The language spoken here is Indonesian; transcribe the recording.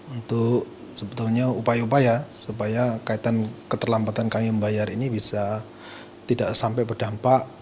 untuk sebetulnya upaya upaya supaya kaitan keterlambatan kami membayar ini bisa tidak sampai berdampak